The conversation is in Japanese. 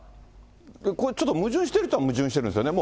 これちょっと矛盾しているといえば矛盾してるんですよね。